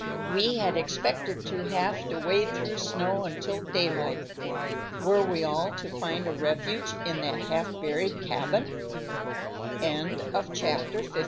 We had expected to have to wade through snow until daylight. Were we all to find a refuge in that half buried cabin? CHAPTER LV.